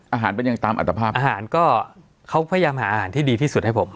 อาหารเป็นยังตามอัตภาพอาหารก็เขาพยายามหาอาหารที่ดีที่สุดให้ผม